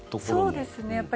そうですね。